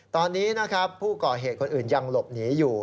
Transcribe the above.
ตอนนี้นะครับผู้ก่อเหตุคนอื่นยังหลบหนีอยู่